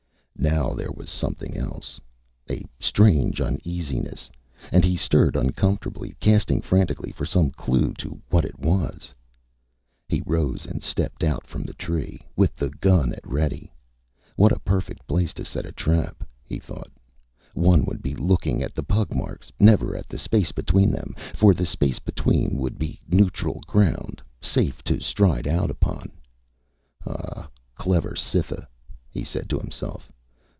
Now there was something else, a strange uneasiness, and he stirred uncomfortably, casting frantically for some clue to what it was. He rose and stepped out from the tree, with the gun at ready. What a perfect place to set a trap, he thought. One would be looking at the pug marks, never at the space between them, for the space between would be neutral ground, safe to stride out upon. Oh, clever Cytha, he said to himself.